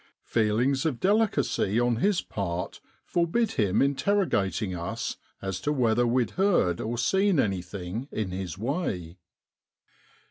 Feelings of delicacy on his part forbid him interrogating us as to whether we'd heard or seen anything in his way.